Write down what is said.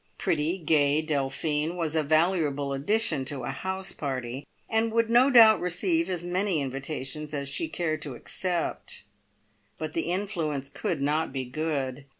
Pretty, gay Delphine was a valuable addition to a house party, and would no doubt receive as many invitations as she cared to accept; but the influence could not be good.